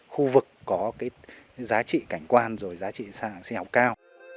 khu vực có cái giá trị cảnh quan rồi giá trị sản phẩm sinh học cao